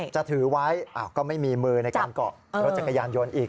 จะถือไว้ก็ไม่มีมือในการเกาะรถจักรยานยนต์อีก